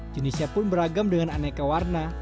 jenisnya pun beragam dengan aneka warna